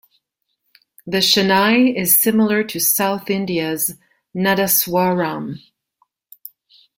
The shehnai is similar to South India's nadaswaram.